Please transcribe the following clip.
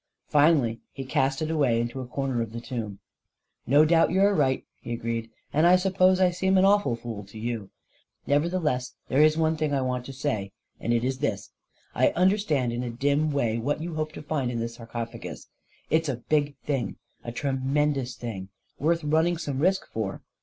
Finally he cast it away into a corner of the tomb. "No doubt you are right," he agreed; "and I suppose I seem an awful fool to you. Nevertheless there's one thing I want to say, and it is this: I understand in a dim way what you hope to find in this sarcophagus; it's a big thing — a tremendous thing — worth running some risk for